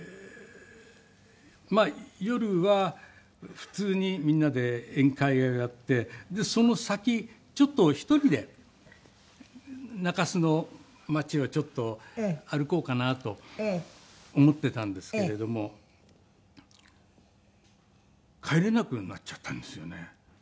まあ夜は普通にみんなで宴会をやってでその先ちょっと１人で中洲の街をちょっと歩こうかなと思っていたんですけれども帰れなくなっちゃったんですよね。